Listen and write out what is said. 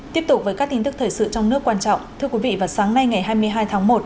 tiếp tục với các tin tức thời sự trong nước quan trọng thưa quý vị vào sáng nay ngày hai mươi hai tháng một